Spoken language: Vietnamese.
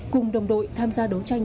cùng đồng đội tham gia đấu tranh